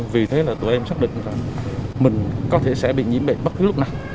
vì thế là tụi em xác định rằng mình có thể sẽ bị nhiễm bệnh bất cứ lúc nào